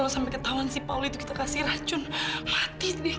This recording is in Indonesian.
sampai jumpa di video selanjutnya